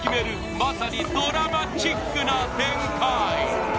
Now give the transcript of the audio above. まさにドラマチックな展開